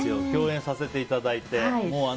共演させていただいて。